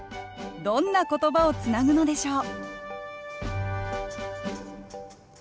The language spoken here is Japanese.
どんな言葉をつなぐのでしょう？